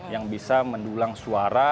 yang bisa mendulang suara